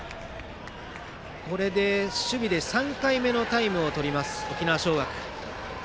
守備で３回目のタイムをとります、沖縄尚学。